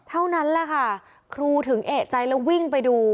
เท่านั้นแหละค่ะครูถึงเอกใจแล้ววิ่งไปดู